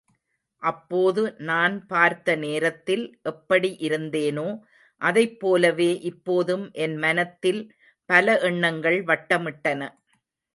அப்போது நான் பார்த்த நேரத்தில் எப்படி இருந்தேனோ அதைப் போலவே இப்போதும் என் மனத்தில் பல எண்ணங்கள் வட்டமிட்டன.